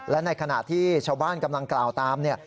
และในขณะที่ชาวบ้านกำลังกล่าวตามเนี่ย